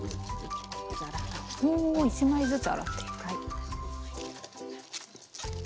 お１枚ずつ洗っていく。